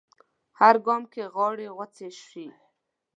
هر ګام کې غاړې غوڅې شي